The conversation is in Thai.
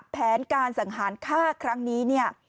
แผนการสังหารฆ่าครั้งนี้เนี่ย